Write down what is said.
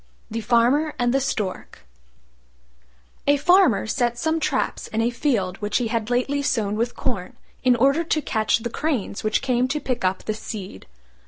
THE FARMER AND THE STORK A Farmer set some traps in a field which he had lately sown with corn, in order to catch the cranes which came to pick up the seed.